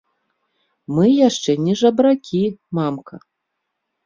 Мы яшчэ не жабракі, мамка!